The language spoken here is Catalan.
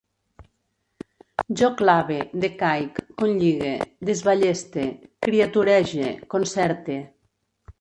Jo clave, decaic, conlligue, desballeste, criaturege, concerte